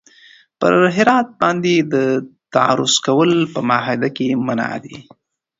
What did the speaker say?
پر هرات باندې تعرض کول په معاهده کي منع دي.